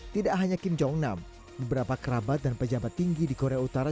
tidak hanya kim jong nam beberapa kerabat dan pejabat tinggi di korea utara